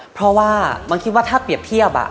เพราะว่ามันคิดว่าถ้าเปรียบเทียบ